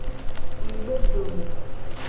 Ngugbedome.